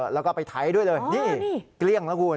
แล้วก็ไปไถด้วยเลยนี่เกเลี่ยงระกูล